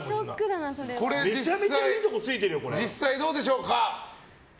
実際どうでしょうか。